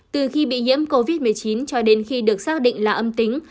từ khi bị nhiễm covid một mươi chín cho đến khi được xác định là âm tính